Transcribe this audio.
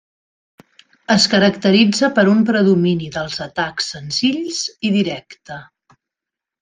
Es caracteritza per un predomini dels atacs senzills i directe.